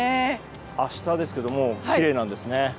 明日ですがきれいなんですね。